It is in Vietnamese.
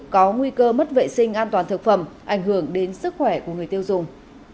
có nguy cơ mất vệ sinh an toàn thực phẩm ảnh hưởng đến sức khỏe của người tiêu dùng